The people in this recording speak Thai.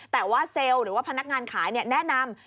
แต่ว่าเซลล์หรือว่าพนักงานขายแนะนำ